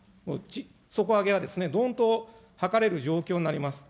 底上げはどんと図れる状況になります。